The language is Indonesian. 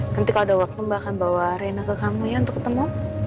nanti kalau ada waktu mbak akan bawa rena ke kamu ya untuk ketemu